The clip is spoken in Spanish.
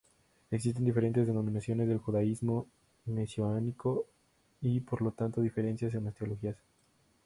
Existen diferentes denominaciones del judaísmo mesiánico y, por lo tanto, diferencias en las teologías.